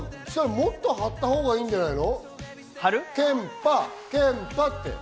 もっと張ったほうがいいんじゃないの？